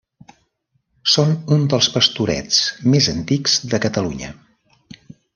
Són un dels Pastorets més antics de Catalunya.